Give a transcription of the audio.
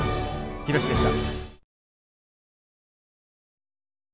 ヒロシでした。